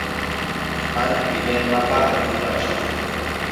Han bideen mapa ari dira osatzen.